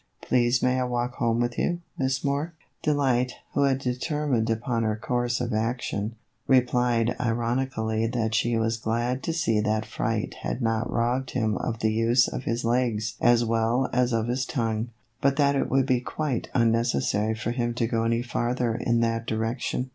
Please may I walk home with you, Miss Moore ?" Delight, who had determined upon her course of action, replied ironically that she was glad to see that fright had not robbed him of the use of his legs as well as of his tongue, but that it would be quite unnecessary for him to go any farther in that direction.